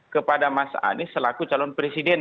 kepada mas anies selaku calon presiden